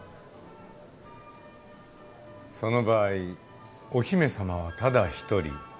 その場合お姫さまはただ一人。